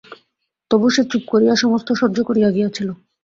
তবু সে চুপ করিয়া সমস্ত সহ্য করিয়া গিয়াছিল।